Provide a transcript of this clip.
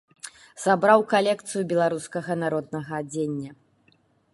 Сабраў калекцыю беларускага народнага адзення.